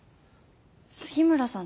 杉村さん